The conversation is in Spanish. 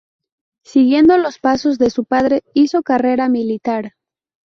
Siguiendo los pasos de su padre, hizo carrera militar.